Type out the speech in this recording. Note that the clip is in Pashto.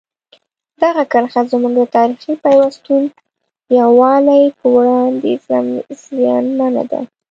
دغه کرښه زموږ د تاریخي پیوستون او یووالي په وړاندې زیانمنه ده.